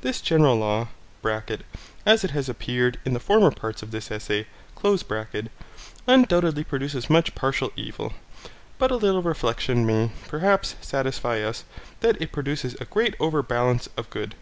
This general law (as it has appeared in the former parts of this Essay) undoubtedly produces much partial evil, but a little reflection may, perhaps, satisfy us, that it produces a great overbalance of good.